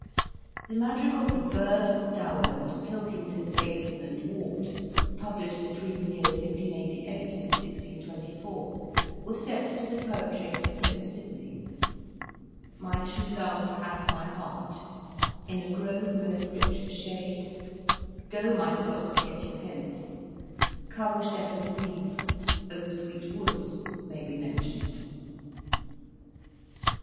The madrigals of Byrd, Dowland, Pilkington, Bateson and Ward, published between the years 1588 and 1624 were set to the poetry of Sir Philip Sidney. " My true love hath my heart," " In a grove most rich of shade," "Go, my flocks, get you hence," " Come shepherds weeds," " O sweet woods," may be mentioned.